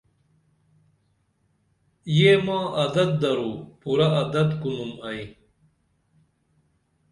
یہ ما عدت درو پورہ عدت کُنُم ائی